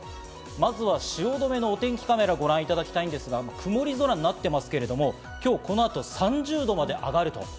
まずは汐留のお天気カメラをご覧いただきたいんですが、曇り空になっていますけど、この後、３０度まで上がる。